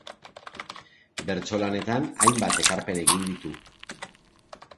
Bertso lanetan hainbat ekarpen egin ditu.